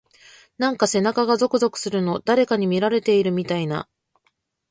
なんか背中がゾクゾクするの。誰かに見られてるみたいな…。